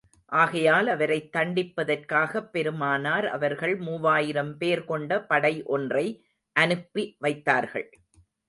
ஆகையால், அவரைத் தண்டிப்பதற்காகப் பெருமானார் அவர்கள் மூவாயிரம் பேர் கொண்ட படை ஒன்றை அனுப்பி வைத்தார்கள்.